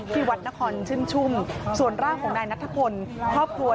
ที่วัดนครชื่นชุ่มส่วนร่างของนายนัทพลครอบครัว